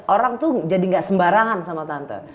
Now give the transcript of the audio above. orang tuh jadi gak sembarangan sama tante